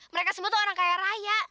mereka sebut tuh orang kaya raya